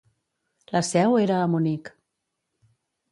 La seu era a Munic.